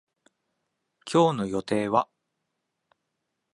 今日の予定は